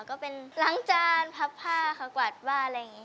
ก็เป็นล้างจานพับผ้าค่ะกวาดบ้านอะไรอย่างนี้